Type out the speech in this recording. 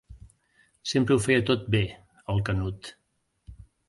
Sempre ho feia tot bé, el Canut.